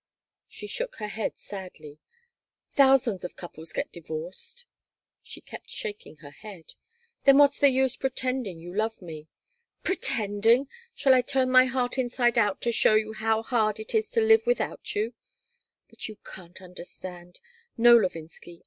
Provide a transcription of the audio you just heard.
She shook her head sadly "Thousands of couples get divorced." She kept shaking her head "Then what's the use pretending you love me?" "Pretending! Shall I turn my heart inside out to show you how hard it is to live without you? But you can't understand. No, Levinsky.